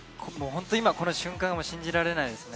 本当にこの瞬間が信じられないです。